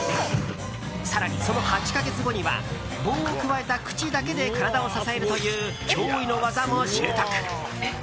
更に、その８か月後には棒をくわえた口だけで体を支えるという驚異の技も習得。